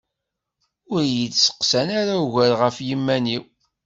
Ur iyi-d-steqsan ara ugar ɣef yiman-iw.